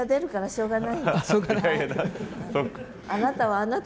しょうがない。